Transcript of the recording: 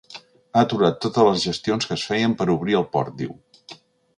Ha aturat totes les gestions que es feien per obrir el port, diu.